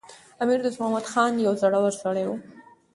امیر دوست محمد خان یو زړور سړی و.